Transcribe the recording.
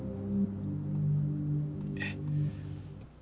えっ。